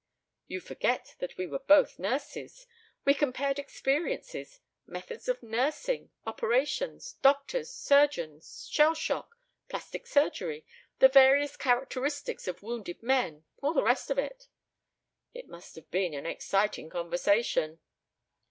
"You forget that we were both nurses. We compared experiences: methods of nursing, operations, doctors, surgeons, shell shock, plastic surgery, the various characteristics of wounded men all the rest of it." "It must have been an exciting conversation."